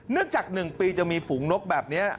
เนื่องจาก๑ปีจะมีฝูงนกแบบนี้